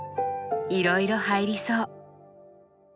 いろいろ入りそう。